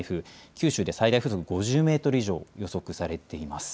九州で最大風速５０メートル以上が予測されています。